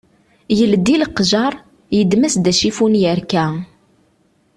Yeldi leqjar, yeddem-as-d acifun yerka